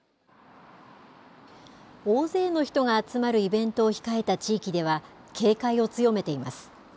大勢の人が集まるイベントを控えた地域では、警戒を強めています。